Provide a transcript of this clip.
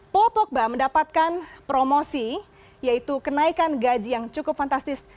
paul pogba mendapatkan promosi yaitu kenaikan gaji yang cukup fantastis